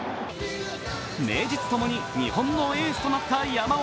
名実共に日本のエースとなった山本。